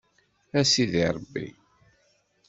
A sidi Ṛebbi.